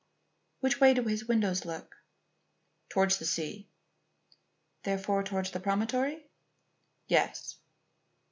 "Which way do his windows look?" "Towards the sea." "Therefore towards the promontory?" "Yes."